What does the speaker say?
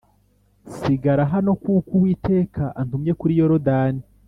sigara hano kuko Uwiteka antumye kuri yorodani